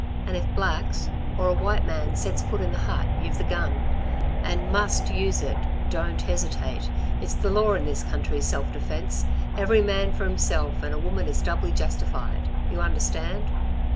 And if blacks, or a white man sets foot in the hut y've the gun. And must use it! Don't hesitate. It's the law in this country self defence. Every man for himself and a woman is doubly justified. You understand."